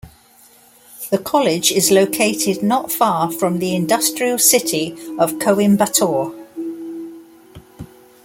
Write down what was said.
The college is located not far from the industrial city of Coimbatore.